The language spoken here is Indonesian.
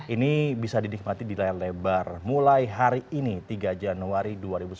ini bisa dinikmati di layar lebar mulai hari ini tiga januari dua ribu sembilan belas